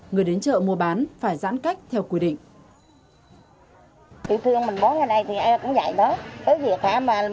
người đến chợ mua bán phải giãn cách theo quy định